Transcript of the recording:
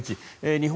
日本